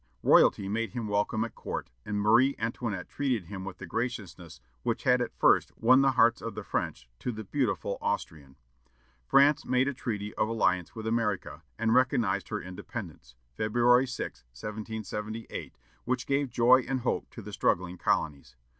Royalty made him welcome at court, and Marie Antoinette treated him with the graciousness which had at first won the hearts of the French to the beautiful Austrian. France made a treaty of alliance with America, and recognized her independence, February 6, 1778, which gave joy and hope to the struggling colonies.